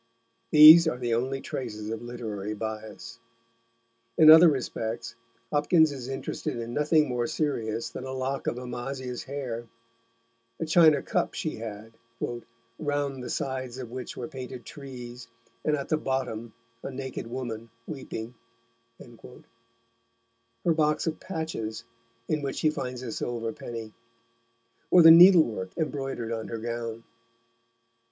These are the only traces of literary bias. In other respects Hopkins is interested in nothing more serious than a lock of Amasia's hair; the china cup she had, "round the sides of which were painted Trees, and at the bottom a Naked Woman Weeping;" her box of patches, in which she finds a silver penny; or the needlework embroidered on her gown.